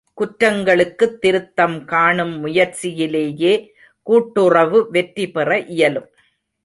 குற்றங்களுக்குத் திருத்தம் காணும் முயற்சியிலேயே கூட்டுறவு வெற்றிபெற இயலும்.